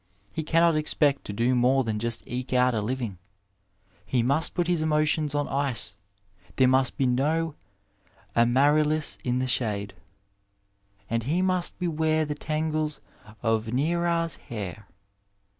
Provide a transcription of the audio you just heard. He cannot expect to do more than just eke out a Uving. He must put his emotions on ice ; there must be no ^' Amaryllis in the shade," and he must beware the tangles of "NesBra'shair."